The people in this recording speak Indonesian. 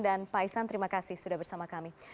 dan pak isan terima kasih sudah bersama kami